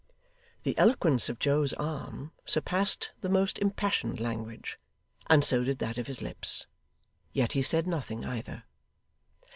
The eloquence of Joe's arm surpassed the most impassioned language; and so did that of his lips yet he said nothing, either.